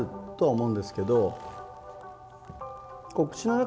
うん。